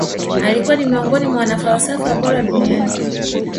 Alikuwa ni miongoni mwa wanafalsafa bora duniani